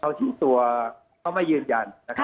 เขาชี้ตัวเขาไม่ยืนยัน